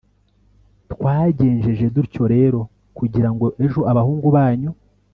twagenjeje dutyo rero kugira ngo ejo abahungu banyu